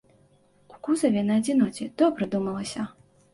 У кузаве, на адзіноце, добра думалася.